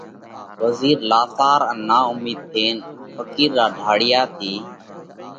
وزِير لاسار ان نا اُومِيڌ ٿينَ ڦقِير را ڍاۯِيا ٿِي